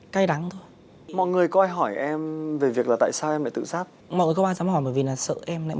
mình nghĩ về con nghĩ về mẹ